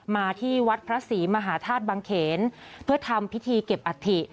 มาที่วัดพระศรีมหาธาตุบังเขนเพื่อทำพิธีเก็บอัฐิ